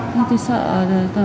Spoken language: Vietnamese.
thế tôi sợ